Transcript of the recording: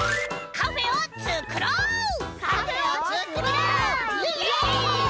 カフェつくろう！